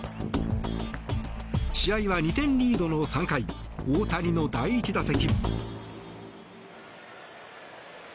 試合は２点リードの３回大谷の第１打席。